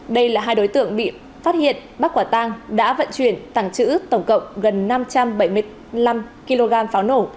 đây là hai đối tượng bị phát hiện bắt quả tang đã vận chuyển tàng trữ tổng cộng gần năm trăm bảy mươi năm kg pháo nổ